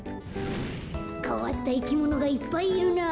かわったいきものがいっぱいいるなあ。